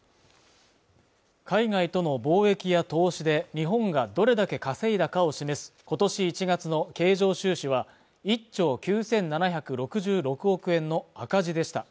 海外との貿易や投資で日本がどれだけ稼いだかを示す今年１月の経常収支は１兆９７６６億円の赤字でした